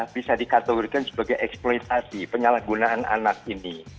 bisa dikategorikan sebagai eksploitasi penyalahgunaan anak ini